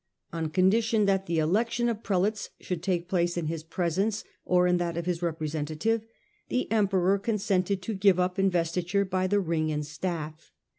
On condition that the election of prelates should take place in his presence, or in that of his representative, the emperor consented to give up in vestiture by the ring and staff.